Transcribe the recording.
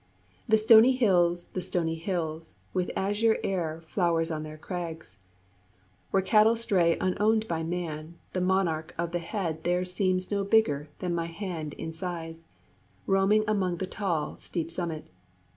The stony hills the stony hills, With azure air flowers on their crags, Where cattle stray unowned by man; The monarch of the herd there seems No bigger than my hand in size, Roaming along the tall, steep summit.